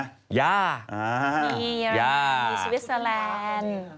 ย่าย่ามีเยอรมันมีสวิสเซอร์แลนด์